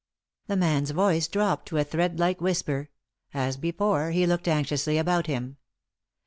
" The man's voice dropped to a thread like whisper. As before, he looked anxiously about him.